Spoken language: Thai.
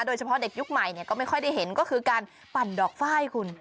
โดยเฉพาะเด็กยุคใหม่ก็ไม่ค่อยได้เห็นก็คือการปั่นดอกไฟล์คุณ